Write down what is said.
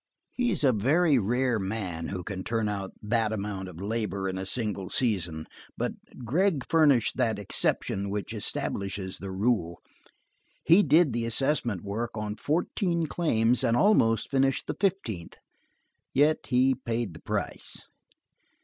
He is a very rare man who can turn out that amount of labor in a single season, but Gregg furnished that exception which establishes the rule: he did the assessment work on fourteen claims and almost finished the fifteenth, yet he paid the price.